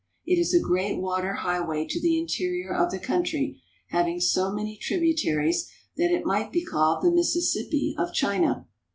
It is a great water highway to the interior of the country, having so many tributaries that it might be called the Mississippi of China.